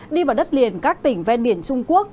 đi vào đất liền các tỉnh ven biển trung quốc